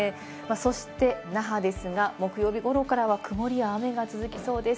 そして那覇は木曜日頃からくもりや雨が続きそうです。